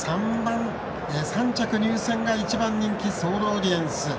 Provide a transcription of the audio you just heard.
３着入線が１番人気ソールオリエンス。